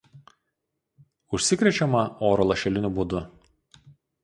Užsikrečiama oro lašeliniu būdu.